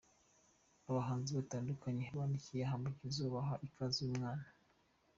Abahanzi batandukanye bandikiye Humble Jizzo baha ikaze uyu mwana.